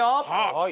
はい！